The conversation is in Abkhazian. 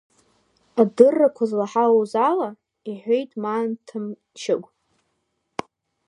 Адыррақәа злаҳауз ала, — иҳәеит Маан Ҭамшьыгә…